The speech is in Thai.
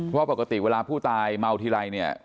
เพราะว่าปกติเวลาผู้ตายเมาทีไร